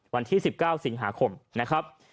วันที่๑๙สิงหาคมนะครับ